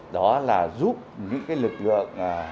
đó là giúp những lực lượng